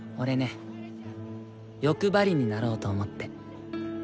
欲張りになろうと思って。